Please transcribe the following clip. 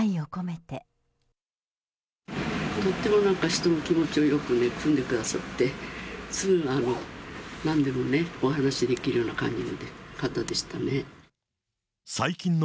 とっても人の気持ちをよくね、くんでくださって、なんでもお話しできるような感じの方でしたね。